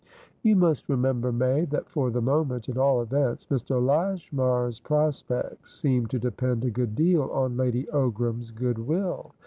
"You must remember, May, that, for the moment at all events, Mr. Lashmar's prospects seem to depend a good deal on Lady Ogram's good will.